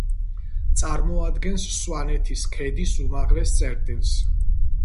წარმოადგენს სვანეთის ქედის უმაღლეს წერტილს.